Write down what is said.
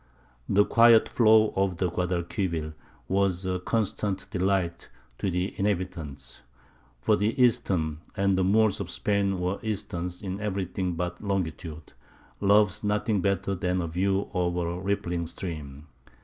The quiet flow of the Guadalquivir was a constant delight to the inhabitants; for the Eastern (and the Moors of Spain were Easterns in everything but longitude) loves nothing better than a view over a rippling stream.